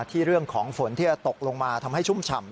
ที่เรื่องของฝนที่จะตกลงมาทำให้ชุ่มฉ่ำ